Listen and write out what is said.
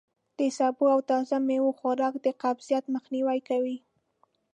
د سبو او تازه میوو خوراک د قبضیت مخنوی کوي.